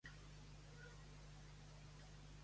Molta música de flamenc està en la modalitat de Phrygian.